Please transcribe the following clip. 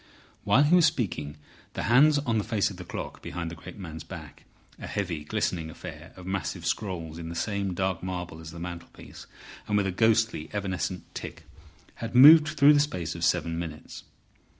While he was speaking the hands on the face of the clock behind the great man's back—a heavy, glistening affair of massive scrolls in the same dark marble as the mantelpiece, and with a ghostly, evanescent tick—had moved through the space of seven minutes.